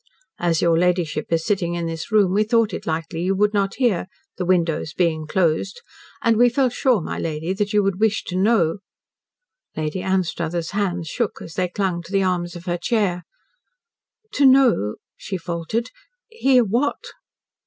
"As your ladyship is sitting in this room, we thought it likely you would not hear, the windows being closed, and we felt sure, my lady, that you would wish to know " Lady Anstruthers' hands shook as they clung to the arms of her chair. "To know " she faltered. "Hear what?"